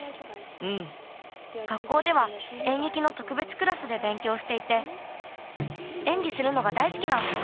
学校ではえんげきのとくべつクラスでべんきょうしていてえんぎするのがだいすきなんです。